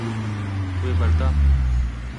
Wê berda.